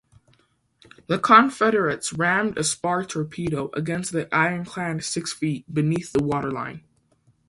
The Confederates rammed a spar torpedo against the ironclad six feet beneath the waterline.